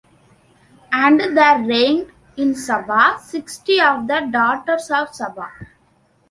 And there reigned in Saba sixty of the daughters of Saba.